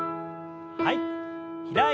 はい。